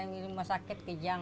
iya mulai di rumah sakit kejang